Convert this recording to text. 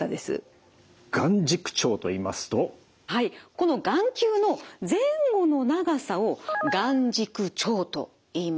この眼球の前後の長さを眼軸長といいます。